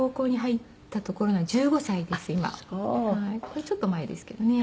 これちょっと前ですけどね。